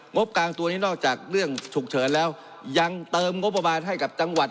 บกลางตัวนี้นอกจากเรื่องฉุกเฉินแล้วยังเติมงบประมาณให้กับจังหวัด